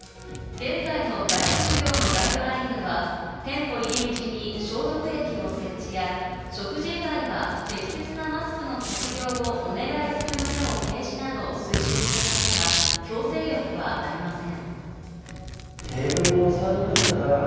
現在の外食業のガイドラインでは店舗入り口に消毒液を設置や食事以外は適切なマスクの着用をお願いする旨を掲示など推奨していますが、強制力はありません。